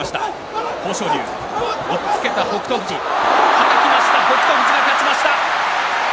はたきました北勝富士が勝ちました。